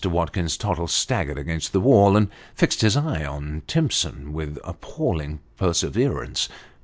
Watkins Tottle staggered against the wall, and fixed his eyes on Timson with appalling perseverance.